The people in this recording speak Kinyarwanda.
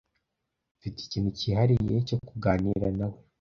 Mfite ikintu cyihariye cyo kuganira nawe.